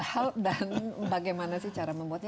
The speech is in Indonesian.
apa hal hal dan bagaimana sih cara membuatnya